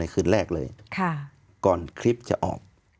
คืนแรกเลยก่อนคลิปจะออก